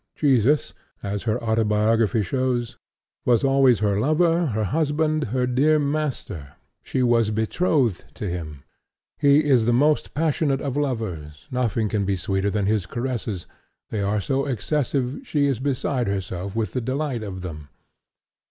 Jesus, as her autobiography shows, was always her lover, her husband, her dear master; she is betrothed to Him, He is the most passionate of lovers, nothing can be sweeter than His caresses, they are so excessive she is beside herself with the delight of them.